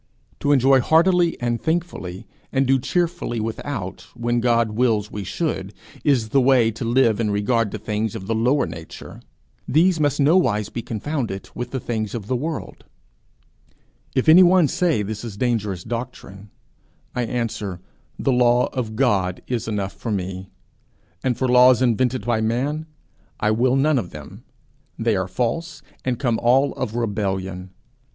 To enjoy heartily and thankfully, and do cheerfully without, when God wills we should, is the way to live in regard to things of the lower nature; these must nowise be confounded with the things of the world. If any one say this is dangerous doctrine, I answer, 'The law of God is enough for me, and for laws invented by man, I will none of them. They are false, and come all of rebellion.